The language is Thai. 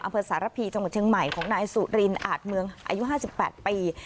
อำเภอสารพีจังหวัดเชียงใหม่ของนายสุรินอาจเมืองอายุ๕๘ปี